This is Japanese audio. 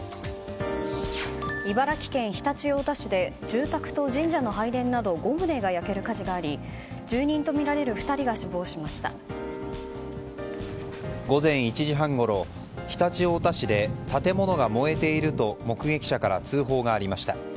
茨城県常陸太田市で住宅と神社の拝殿など５棟が焼ける火事があり住人とみられる２人が午前１時半ごろ、常陸太田市で建物が燃えていると目撃者から通報がありました。